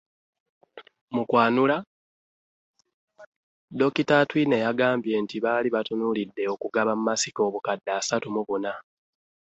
Mu kwanula, Dokita Atwine yagambye nti baali batunuulidde okugaba masiki obukadde asatu mu buna